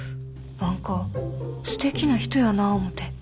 何かすてきな人やなあ思て。